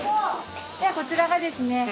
こちらがですね